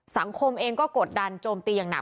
สังคมเองก็กดดันโจมตีอย่างหนัก